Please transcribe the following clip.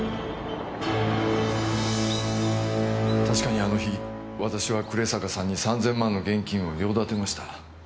確かにあの日私は暮坂さんに３千万の現金を用立てました。